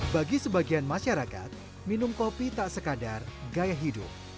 bagi sebagian masyarakat minum kopi tak sekadar gaya hidup